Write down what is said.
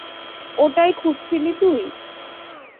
ওটাই খুঁজছিলি তুই?